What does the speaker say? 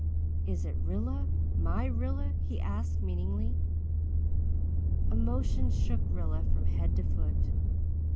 "Is it Rilla my Rilla?" he asked, meaningly. Emotion shook Rilla from head to foot.